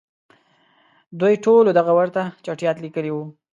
دوی ټولو دغه ته ورته چټیاټ لیکلي وو.